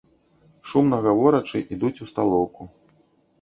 Шумна гаворачы, ідуць у сталоўку.